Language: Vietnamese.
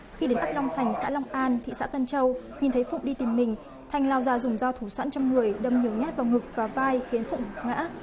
khi đến ấp long thành xã long an thị xã tân châu nhìn thấy phụng đi tìm mình thành lao ra dùng dao thủ sẵn trong người đâm nhiều nhát vào ngực và vai khiến phụng ngã